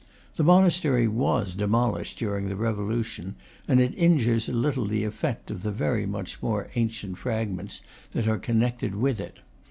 The monastery was demolished during the Revolution, and it injures a little the effect of the very much more ancient fragments that are connected with it.